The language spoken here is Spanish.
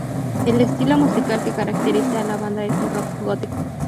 El estilo musical que caracteriza a la banda es el rock gótico.